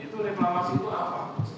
itu reklamasi itu apa